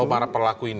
oh para pelaku ini